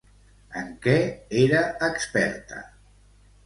En què era experta?